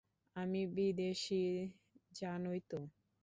আমি বিদেশী, জানোই তো।